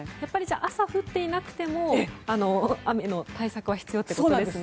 朝降っていなくても雨の対策は必要なんですね。